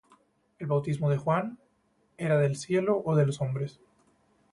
El bautismo de Juan, ¿era del cielo, ó de los hombres?